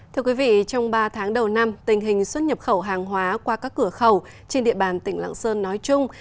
thưa quý vị trong ba tháng đầu năm tình hình xuất nhập khẩu hàng hóa qua các cửa khẩu trên địa bàn tỉnh lạng sơn nói chung